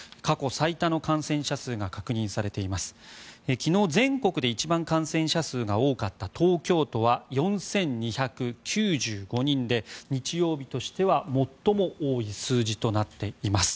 昨日、全国で一番感染者数が多かった東京都は４２９５人で、日曜日としては最も多い数字となっています。